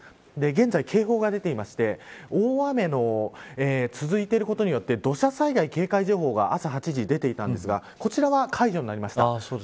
現在、警報が出ていまして大雨の続いていることによって土砂災害警戒情報が朝８時に出ていたんですがこちらは解除になりました。